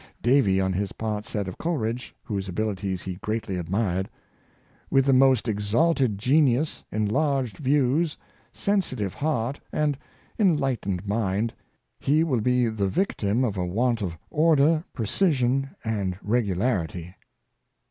Davy, on his part, said of Coleridge, whose abilities he great ly admired, ^' With the most exalted genius, enlarged views, sensitive heart, and enlightened mind, he will Cuvier. 257 be the victim of a want of order, precision, and reg ularity.'"'